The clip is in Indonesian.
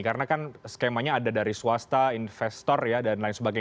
karena kan skemanya ada dari swasta investor ya dan lain sebagainya